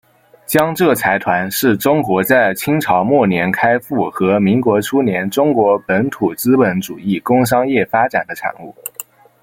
江浙财团是中国在清朝末年开阜和民国初年中国本土资本主义工商业发展的产物。